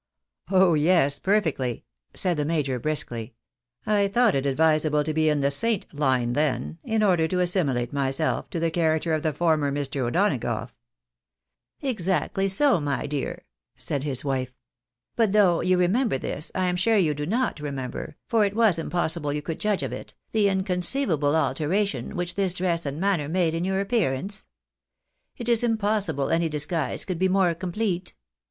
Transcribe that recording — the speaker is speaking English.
" Oh yes, perfectly," said the major, briskly. " I thought it advisable to be in the saint line then, in order to assimilate myself to the character of the former Mr. O'Donagough." "Exactly so, my dear," said his wife; "but though you re member this, I am sure you do not remember (for it was impossible you could judge of it) the inconceivable alteration which this dress and manner made in your appearance. It is impossible any dis guise could be more complete.